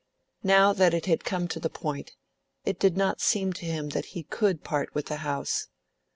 Now that it had come to the point, it did not seem to him that he could part with the house.